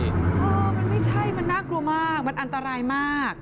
เออมันไม่ใช่มันน่ากลัวมากมันอันตรายมาก